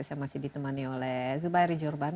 saya masih ditemani oleh zubairi jurban